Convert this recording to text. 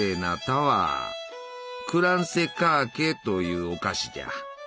「クランセカーケ」というお菓子じゃ。